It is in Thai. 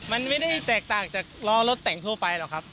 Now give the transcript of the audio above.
มันไม่ได้แตกต่างจากล้อรถแต่งทั่วไปหรอกครับ